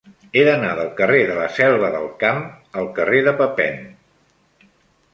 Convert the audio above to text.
He d'anar del carrer de la Selva del Camp al carrer de Papin.